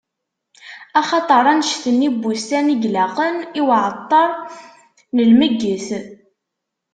Axaṭer annect-nni n wussan i yelaqen i uɛeṭṭer n lmegget.